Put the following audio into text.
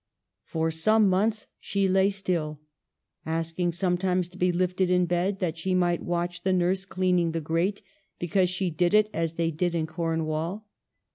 x For some months she lay still, asking sometimes to be lifted in bed that she might watch the nurse cleaning the grate, because she did it as they did in Cornwall.